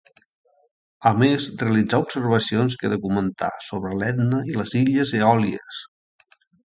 A més realitzà observacions que documentà sobre l'Etna i les illes Eòlies.